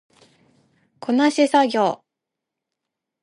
こなし作業